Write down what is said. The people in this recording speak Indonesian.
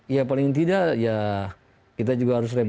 ya paling tidak ya kita juga harus repot